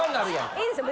いいですよ